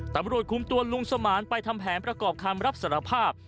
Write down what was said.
ตำรวจคุมตัวลุงสมานไปทำแผนประกอบคำรับสารภาพ